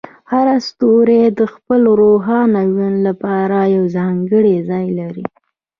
هر ستوری د خپل روښانه ژوند لپاره یو ځانګړی ځای لري.